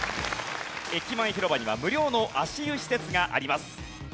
駅前広場には無料の足湯施設があります。